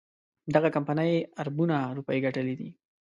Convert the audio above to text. دغه کمپنۍ اربونه روپۍ ګټلي دي.